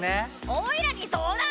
おいらに相談？